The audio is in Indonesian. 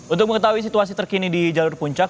untuk mengetahui situasi terkini di jalur puncak